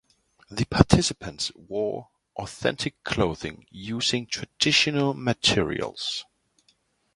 The participants wore authentic clothing using traditional materials.